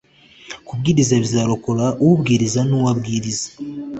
Kubwiriza bizarokora ubwiriza n uwo abwiriza